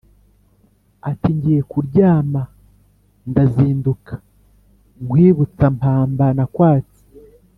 Ati: ngiye kuryamaNdazinduka nkwibutsampamba nakwatse